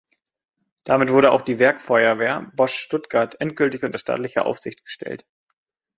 Damit wurde auch die Werkfeuerwehr Bosch Stuttgart endgültig unter staatliche Aufsicht gestellt.